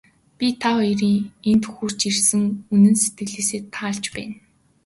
Би та хоёрын энд хүрч ирсэнд үнэн сэтгэлээсээ таалж байна.